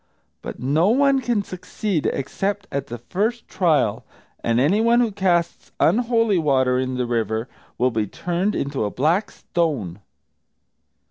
But no one can succeed except at the first trial, and anyone who casts unholy water in the river will be turned into a black stone."